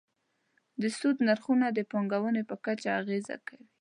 د سود نرخونه د پانګونې په کچه اغېزه کوي.